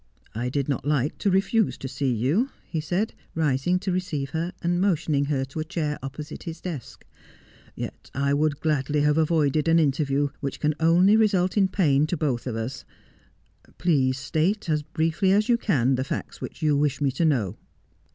' I did not like to refuse to see you,' he said, rising to re ceive her, and motioning her to a chair opposite his desk, ' yet I would gladly have avoided an interview which can only result in pain to both of us. Please state, as briefly as you can, the facts which you wish me to know.'